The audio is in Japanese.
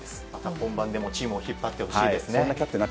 本番でもチームを引っ張ってほしいですね。